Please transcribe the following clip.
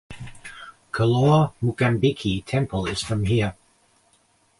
Kollur Mookambika temple is from here.